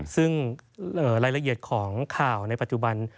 ซึ่งรายละเอียดของข่าวในปัจจุบัน